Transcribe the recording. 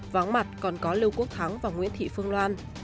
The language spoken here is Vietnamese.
vắng mặt còn có lưu quốc thắng và nguyễn thị phương loan